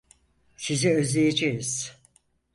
Sizi özleyeceğiz.